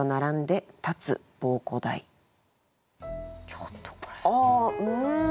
ちょっとこれ。